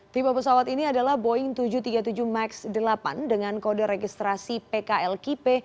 tipe pesawat ini adalah boeing tujuh ratus tiga puluh tujuh max delapan dengan kode registrasi pklkp